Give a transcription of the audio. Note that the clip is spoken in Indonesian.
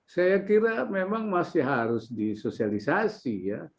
saya kira memang masih harus disosialisasi ya